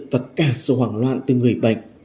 và cả sự hoảng loạn từ người bệnh